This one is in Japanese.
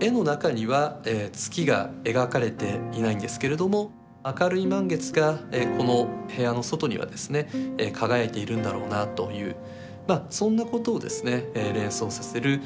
絵の中には月が描かれていないんですけれども明るい満月がこの部屋の外にはですね輝いているんだろうなというまあそんなことをですね連想させる